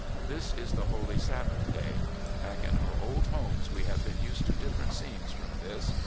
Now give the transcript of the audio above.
This is the holy Sabbath da}'. Back in our old homes we have been used to different scenes from this.